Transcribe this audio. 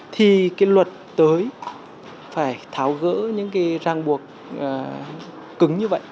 thì luật tới phải tháo gỡ những ràng buộc cứng như vậy